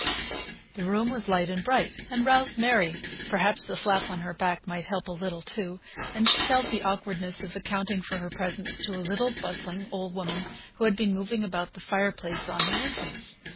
The room was light and bright, and roused Mary (perhaps the slap on her back might help a little, too), and she felt the awkwardness of accounting for her presence to a little bustling old woman who had been moving about the fire place on her entrance.